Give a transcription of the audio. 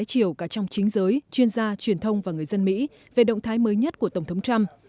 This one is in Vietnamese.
tổng giám đốc đã lấy chiều cả trong chính giới chuyên gia truyền thông và người dân mỹ về động thái mới nhất của tổng thống trump